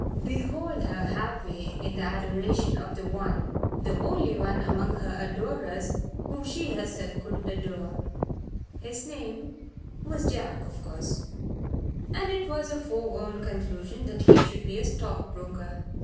Behold her happy in the adoration of the one, the only one among her adorers whom she herself could adore. His name was John, of course, and it was a foregone conclusion that he should be a stock broker.